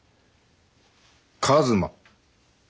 一馬。